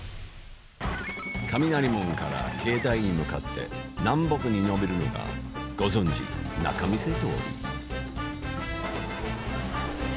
雷門から境内に向かって南北に延びるのがご存じ、仲見世通り。